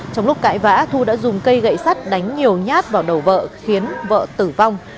trong lúc cãi vã thu đã dùng cây gậy sắt đánh nhiều nhát vào đầu vợ khiến vợ tử vong